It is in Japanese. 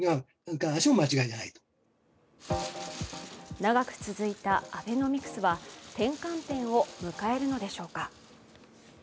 長く続いたアベノミクスは転換点を迎えるのでしょうか。